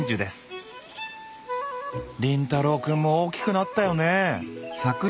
凛太郎くんも大きくなったよね！